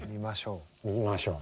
見ましょう。